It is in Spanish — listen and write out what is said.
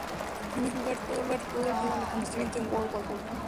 En primer lugar, todo lo cual lleva a los acontecimientos de "World War Hulk".